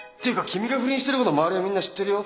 君が不倫してること周りのみんな知ってるよ。